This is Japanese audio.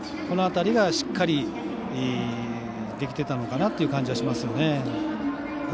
この辺りがしっかりできてたのかなという感じがしますよね。